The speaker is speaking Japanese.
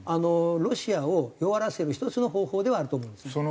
ロシアを弱らせる１つの方法ではあると思いますね。